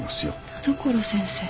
田所先生。